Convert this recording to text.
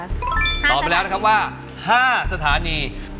ตอบไปแล้วนะครับว่า๕สถานี